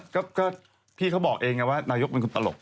ก็พี่เขาบอกเองไงว่านายกเป็นคนตลก